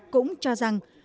cũng cho rằng